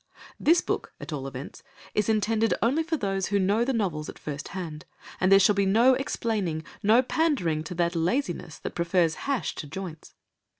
This book, at all events, is intended only for those who know the novels at first hand, and there shall be no explaining, no pandering to that laziness that prefers hash to joints.